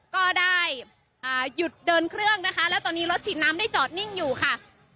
ก็ได้หยุดเดินเครื่องนะคะและตอนนี้รถฉีดน้ำได้จอดนิ่งอยู่ค่ะ